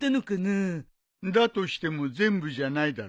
だとしても全部じゃないだろう。